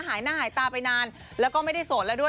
หายหน้าหายตาไปนานแล้วก็ไม่ได้โสดแล้วด้วย